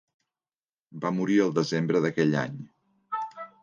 Va morir el desembre d'aquell any.